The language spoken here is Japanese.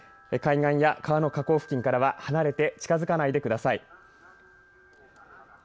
海岸や川の河口付近からは離れて近づかないでください。